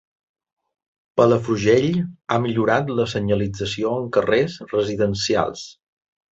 Palafrugell ha millorat la senyalització en carrers residencials.